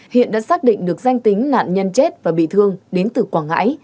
hiện đã xác định được danh tính nạn nhân chết và bị thương đến từ quảng ngãi